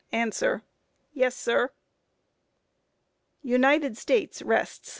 Yes, sir. _United States rests.